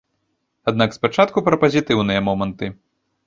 Аднак спачатку пра пазітыўныя моманты.